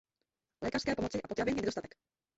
Lékařské pomoci a potravin je nedostatek.